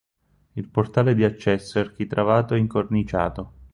Il portale di accesso è architravato e incorniciato.